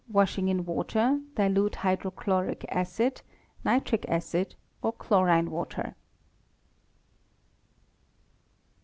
washing in water, dilute hydrochloric acid, nitric acid, or chlorine water.